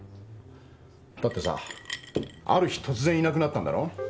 だってさある日突然いなくなったんだろう？